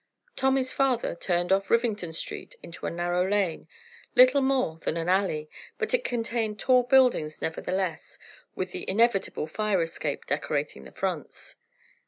Tommy's father turned off Rivington Street into a narrow lane, little more than an alley, but it contained tall buildings nevertheless, with the inevitable fire escape decorating the fronts.